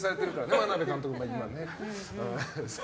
眞鍋監督も、今ね。